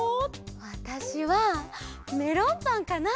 わたしはメロンパンかな！